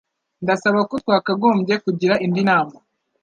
Ndasaba ko twakagombye kugira indi nama